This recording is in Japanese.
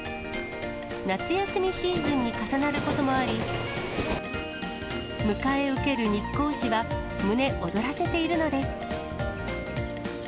夏休みシーズンに重なることもあり、迎え受ける日光市は胸躍らせているのです。